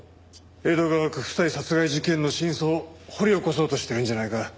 江戸川区夫妻殺害事件の真相を掘り起こそうとしてるんじゃないか？